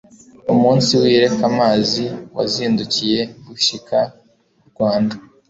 Umunsi w’i Reka-mazi Wazindukiye gushika u Rwanda